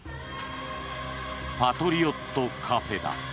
パトリオットカフェだ。